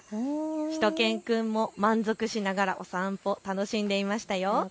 しゅと犬くんも満足しながらお散歩、楽しんでいましたよ。